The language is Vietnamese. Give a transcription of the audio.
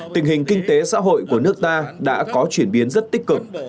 tình hình kinh tế xã hội của nước ta đã có chuyển biến rất tích cực